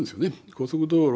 高速道路